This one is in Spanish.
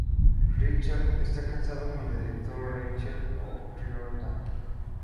Richard está casado con la directora Rachel O'Riordan.